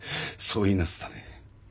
そう言いなすったね。